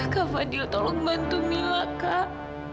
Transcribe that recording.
kak fadil tolong bantu mila kak